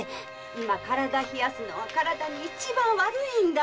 今体を冷やすのは一番悪いんだよ。